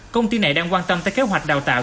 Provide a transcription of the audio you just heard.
công ty này đang quan tâm tới kế hoạch đào tạo